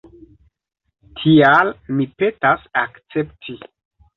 Tial mi petas akcepti.